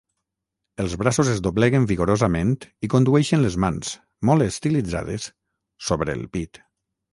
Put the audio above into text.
Els braços es dobleguen vigorosament i condueixen les mans, molt estilitzades, sobre el pit.